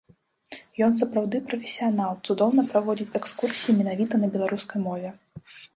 Ён сапраўдны прафесіянал, цудоўна праводзіць экскурсіі менавіта на беларускай мове.